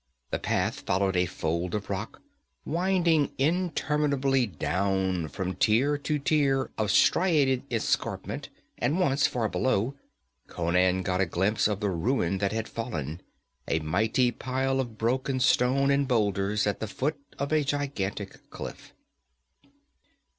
The path followed a fold of rock, winding interminably down from tier to tier of striated escarpment, and once, far below, Conan got a glimpse of the ruin that had fallen a mighty pile of broken stone and boulders at the foot of a gigantic cliff.